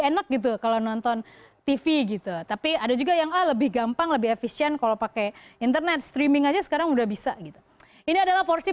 enak gitu kalau nonton tv gitu tapi ada juga yang ah lebih gampang lebih efisien kalau pakai internet streaming aja sekarang udah bisa gitu ini adalah porsi